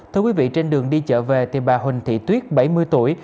thưa quý vị trên đường đi chợ về thì bà huỳnh thị tuyết bảy mươi tuổi